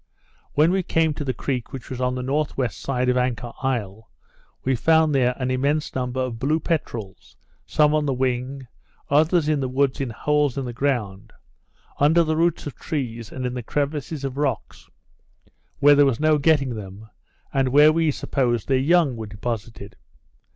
When we came to the creek which was on the N.W. side of Anchor Isle, we found there an immense number of blue peterels, some on the wing, others in the woods in holes in the ground, under the roots of trees and in the crevices of rocks, where there was no getting them, and where we supposed their young were deposited.